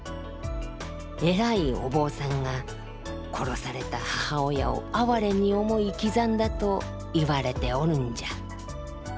偉いお坊さんが殺された母親を哀れに思い刻んだと言われておるんじゃ。